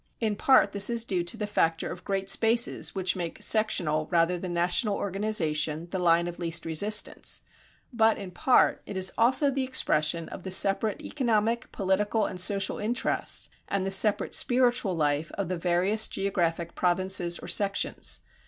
In part this is due to the factor of great spaces which make sectional rather than national organization the line of least resistance; but, in part, it is also the expression of the separate economic, political, and social interests and the separate spiritual life of the various geographic provinces or sections.